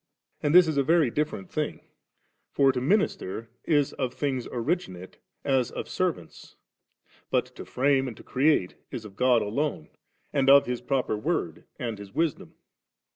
And this is a very different thing, for to minister is of things originate as of servants, but tt> frame and to create is of God alone, and of His proper Word and His Wisdom.